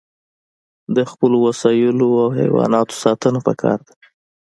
د خپلو وسایلو او حیواناتو ساتنه پکار ده.